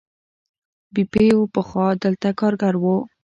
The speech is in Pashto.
بیپو پخوا دلته کارګر و.